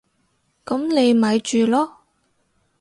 噉你咪住囉